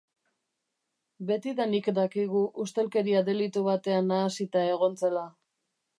Betidanik dakigu ustelkeria-delitu batean nahasita egon zela.